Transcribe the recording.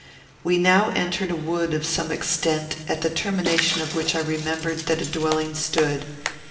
We now entered a wood of some extent, at the termination of which I remembered that a dwelling stood.